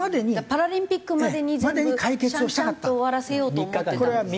パラリンピックまでに全部シャンシャンと終わらせようと思ってたんですね。